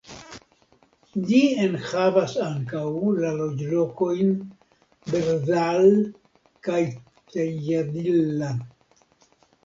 Ĝi enhavas ankaŭ la loĝlokojn Berzal kaj Tejadilla.